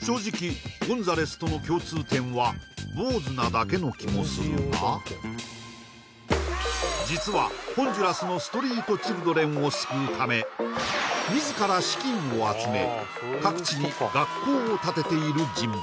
正直ゴンザレスとの共通点は坊主なだけの気もするが実はホンジュラスの自ら資金を集め各地に学校を建てている人物